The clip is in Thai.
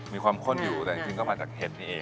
มีความข้นอยู่แต่จริงก็มาจากเห็ดนี่เอง